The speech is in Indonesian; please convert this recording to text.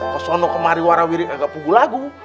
kalo suara kemari warawiri kagak punggu lagu